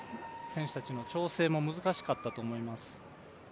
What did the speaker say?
選手たちも調整が難しかったと思います。